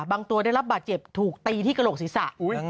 ตัวได้รับบาดเจ็บถูกตีที่กระโหลกศีรษะ